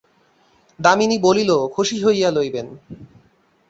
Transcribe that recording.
দামিনী বলিল, খুশি হইয়া লইবেন।